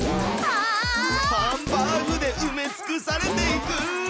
ハンバーグでうめつくされていく！